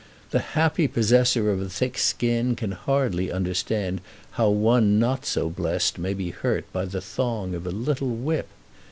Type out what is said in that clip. The happy possessor of a thick skin can hardly understand how one not so blessed may be hurt by the thong of a little whip!